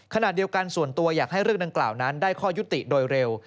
ขณะเดียวกันส่วนตัวอยากให้เรื่องดังกล่าวนั้นได้ข้อยุติโดยเร็ว